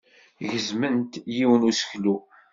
Gezment yiwen n useklu.